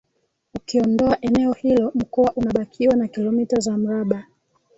Ukiondoa eneo hilo Mkoa unabakiwa na Kilomita za mraba